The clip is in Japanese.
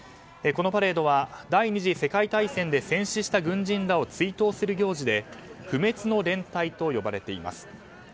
このパレードは第２次世界大戦で戦死した軍人らを追悼する行事で不滅の連隊と呼ばれています。